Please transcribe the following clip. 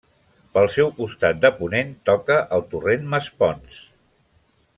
Pel seu costat de ponent toca al Torrent Masponç.